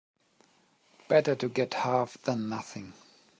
Better to get half than nothing.